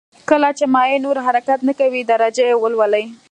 کله چې مایع نور حرکت نه کوي درجه یې ولولئ.